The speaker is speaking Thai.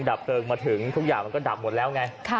ดับเติร์งไซไฟมาถึงทุกอย่างก็ดับหมดแล้วไหม